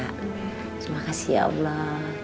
terima kasih ya allah